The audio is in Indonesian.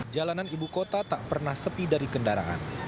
jalanan ibu kota tak pernah sepi dari kendaraan